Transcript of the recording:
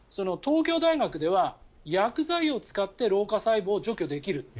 東京大学では薬剤を使って老化細胞を除去できる。